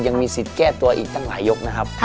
ยังมีสิทธิ์แก้ตัวอีกตั้งหลายยกนะครับ